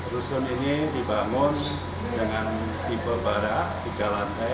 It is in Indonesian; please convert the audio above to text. rusun ini dibangun dengan tipe barak tiga lantai